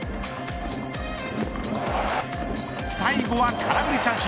最後は空振り三振。